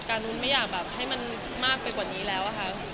การลัดมาให้มันมากไปกว่านี้แล้ว